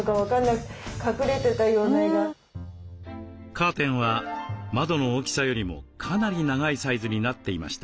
カーテンは窓の大きさよりもかなり長いサイズになっていました。